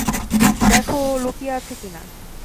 দেখ ও লুকিয়ে আছে কিনা।